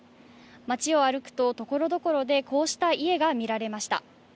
町を歩くと、ところどころでこうした家が見られました。